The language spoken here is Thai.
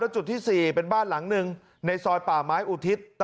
จุดที่๔เป็นบ้านหลังหนึ่งในซอยป่าไม้อุทิศ